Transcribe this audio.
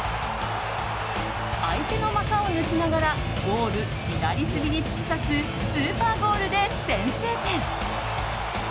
相手の股を抜きながらゴール左隅に突き刺すスーパーゴールで先制点！